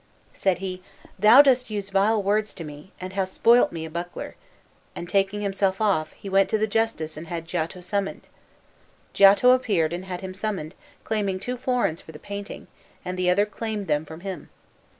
Said he, 'Thou dost use vile words to me, and hast spoilt me a buckler;' and taking himself off, he went to the justice and had Giotto summoned. Giotto appeared and had him summoned, claiming two florins for the painting, and the other claimed them from him.